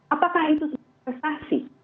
apakah itu prestasi